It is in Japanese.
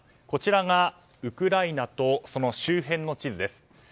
こちらがウクライナとその周辺の地図です。